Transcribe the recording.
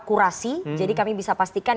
kurasi jadi kami bisa pastikan